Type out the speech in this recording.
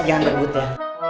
jangan berbut ya